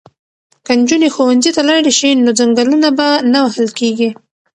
که نجونې ښوونځي ته لاړې شي نو ځنګلونه به نه وهل کیږي.